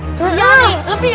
soalnya ini lebih